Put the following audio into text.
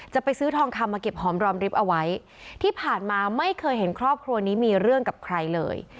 จะไปซื้อทองคำมาเก็บหอมรอมริบเอาไว้ที่ผ่านมาไม่เคยเห็นครอบครัวนี้มีเรื่องกับใครเลย